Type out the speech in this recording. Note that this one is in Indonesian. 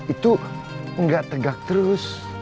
itu nggak tegak terus